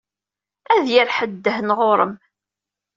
Ad d-yerr ḥedd ddhen ɣur-m.